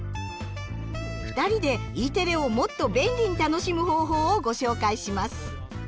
２人でＥテレをもっと便利に楽しむ方法をご紹介します。